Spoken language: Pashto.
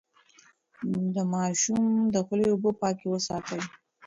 د ماشوم د خولې اوبه پاکې وساتئ.